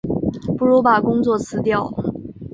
不如把工作辞掉